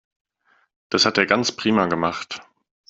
Das hat er ganz prima gemacht.